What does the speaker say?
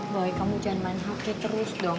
boy kamu jangan main hakim terus dong